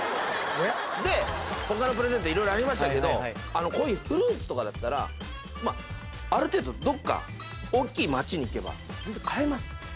で他のプレゼントいろいろありましたけどこういうフルーツとかだったらある程度どっか大っきい街に行けば全然買えます。